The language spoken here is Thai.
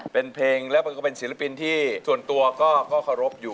เป็นเพลงแล้วมันก็เป็นศิลปินที่ส่วนตัวก็เคารพอยู่